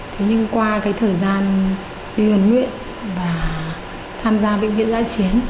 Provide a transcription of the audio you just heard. thế nhưng qua cái thời gian đi huấn luyện và tham gia bệnh viện giã chiến